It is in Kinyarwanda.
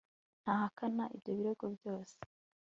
ndahakana ibyo birego byose